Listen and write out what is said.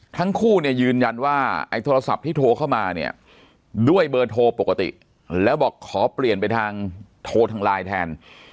ทั้งคู่เนี่ยยืนยันว่าไอ้โทรศัพท์ที่โทรเข้ามาเนี่ยด้วยเบอร์โทรปกติแล้วบอกขอเปลี่ยนไปทางโทรทางไลน์แทน